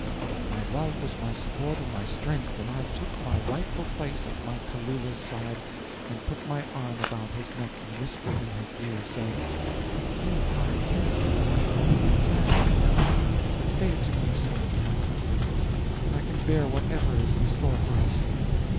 But my love was my support and my strength, and I took my rightful place at my Kalula's side, and put my arm about his neck, and whispered in his ear, saying: '"You are innocent, my own that I know; but say it to me yourself, for my comfort, then I can bear whatever is in store for us."